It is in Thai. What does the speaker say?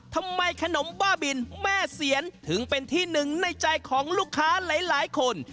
ทำไมขนมบ้าบินแม่เสียนถึงเป็นที่หนึ่งในใจของลูกค้าหลายคน